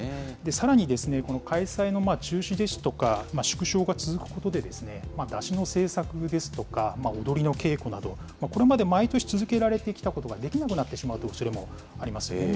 さらに、この開催の中止ですとか、縮小が続くことで、山車の製作ですとか、踊りの稽古など、これまで毎年続けられてきたことができなくなってしまうおそれもありますよね。